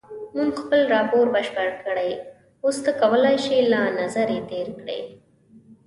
مونږ خپل راپور بشپړ کړی اوس ته کولای شې له نظر یې تېر کړې.